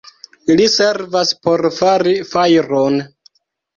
Ili servas por fari fajron.